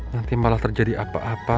nanti malah terjadi apa apa